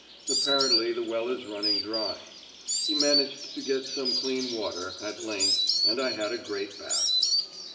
Apparently the well is running dry.... He managed to get some clean water at length and I had a great bath.